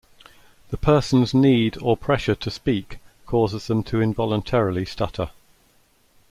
The person's need or pressure to speak causes them to involuntarily stutter.